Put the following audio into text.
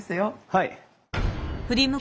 はい。